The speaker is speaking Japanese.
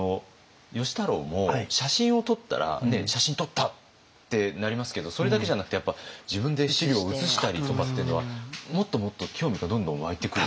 芳太郎も写真を撮ったら写真撮ったってなりますけどそれだけじゃなくて自分で資料を写したりとかっていうのはもっともっと興味がどんどん湧いてくる。